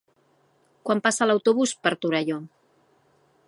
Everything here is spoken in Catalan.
Quan passa l'autobús per Torelló?